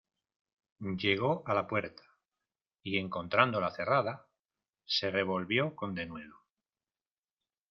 llegó a la puerta, y encontrándola cerrada , se revolvió con denuedo.